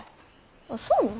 あっそうなん？